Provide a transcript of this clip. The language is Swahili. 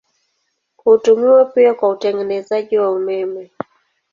Hutumiwa pia kwa utengenezaji wa umeme.